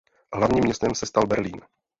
Hlavním městem se stal Berlín.